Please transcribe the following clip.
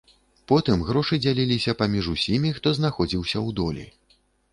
Потым грошы дзяліліся паміж усімі, хто знаходзіўся ў долі.